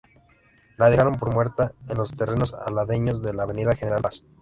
La dejaron por muerta en los terrenos aledaños de la Avenida General Paz.